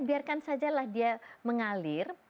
biarkan saja lah dia mengalir